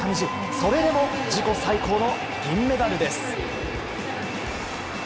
それでも自己最高の銀メダルです。